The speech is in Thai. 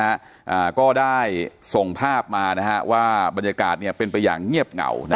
อ่าก็ได้ส่งภาพมานะฮะว่าบรรยากาศเนี่ยเป็นไปอย่างเงียบเหงานะ